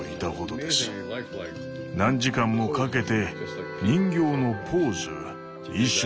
何時間もかけて人形のポーズ衣装